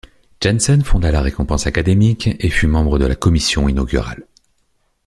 Janssen fonda la récompense académique, et fut membre de la commission inaugurale.